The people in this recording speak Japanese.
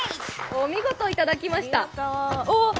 お見事いただきました。